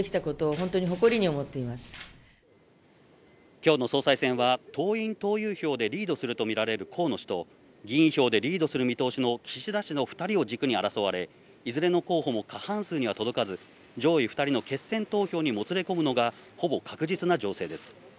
今日の総裁選は党員・党友票でリードするとみられる河野氏と、議員票でリードする見通しの岸田氏の２人を軸に争われ、いずれの候補も過半数には届かず上位２人の決選投票にもつれ込むのがほぼ確実な情勢です。